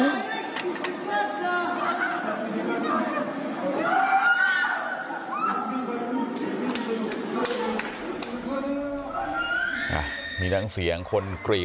ท่านลองฟังเสียชุด๓ศพบาดเจ็บอีก๑๒นะแต่ดูภาพที่เขาบรรยาการณ์กันไว้ได้